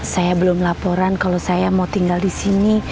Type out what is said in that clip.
saya belum laporan kalau saya mau tinggal disini